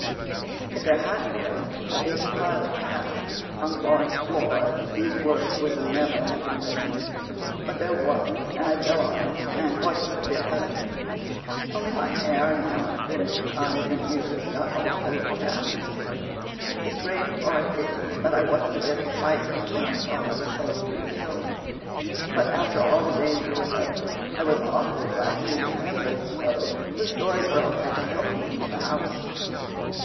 If there hadn't been a big pile of chaff on the barn floor these words would never have been written. But there was and I fell on it and wasn't a bit hurt, only my hair and mouth and eyes and ears got all full of chaff. The strange part is that I wasn't a bit frightened when I thought I was going to be killed, but after all the danger was over I was awfully frightened and trembled so the Story Girl had to help me into the house.